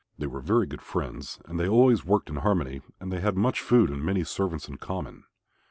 They were very good friends and they always worked in harmony and they had much food and many servants in common.